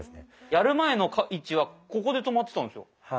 やる前の位置はここで止まってたんですよ。